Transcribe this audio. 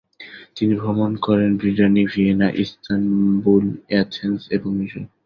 তিনি ভ্রমণ করেন ব্রিটানি, ভিয়েনা, ইস্তানবুল, এথেন্স এবং মিশর।